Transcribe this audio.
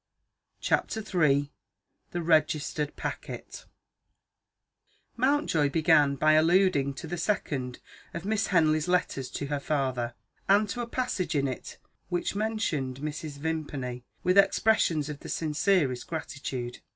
CHAPTER III THE REGISTERED PACKET MOUNTJOY began by alluding to the second of Miss Henley's letters to her father, and to a passage in it which mentioned Mrs. Vimpany with expressions of the sincerest gratitude.